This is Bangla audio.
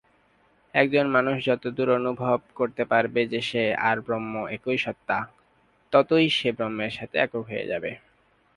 একজন মানুষ যতদূর অনুভব করতে পারবে যে সে আর ব্রহ্ম একই সত্তা, ততই সে ব্রহ্মের সাথে একক হয়ে যাবে।